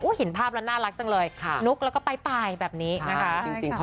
เห็นภาพแล้วน่ารักจังเลยนุกแล้วก็ไปแบบนี้นะคะ